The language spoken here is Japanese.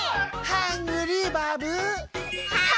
ハングリーバブ。